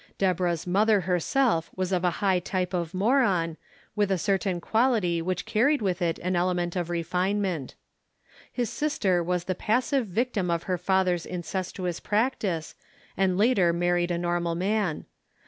Deborah's mother herself was of a high type of moron, with a certain quality which carried with it an element of refinement. Her sister was the passive victim of her father's incestuous practice and later married a normal man.